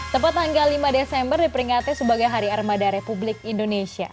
tepat tanggal lima desember diperingati sebagai hari armada republik indonesia